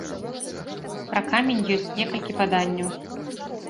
Пра камень ёсць некалькі паданняў.